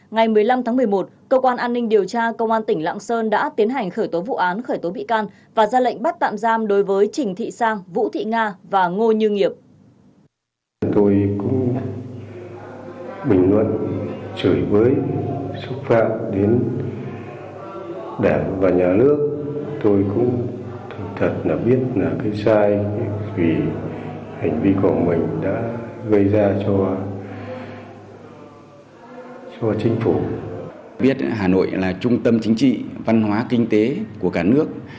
ngày một mươi năm tháng một mươi một cơ quan an ninh điều tra công an tỉnh lạng sơn đã tiến hành khởi tố vụ án khởi tố bị can và ra lệnh bắt tạm giam đối với trình thị sang vũ thị nga và ngô như nghiệp